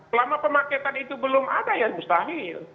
selama pemaketan itu belum ada ya mustahil